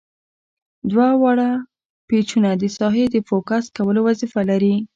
دوه واړه پیچونه د ساحې د فوکس کولو وظیفه لري.